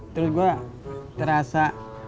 turut gue terasa